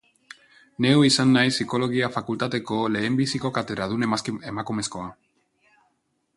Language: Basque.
Neu izan naiz Psikologia fakultateko lehenbiziko katedradun emakumezkoa.